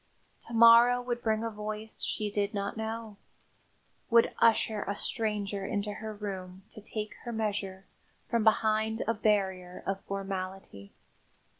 To morrow would bring a voice she did not know; would usher a stranger into her room to take her measure from behind a barrier of formality.